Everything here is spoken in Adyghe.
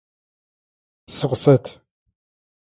Псы къысэт!